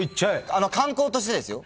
観光としてですよ。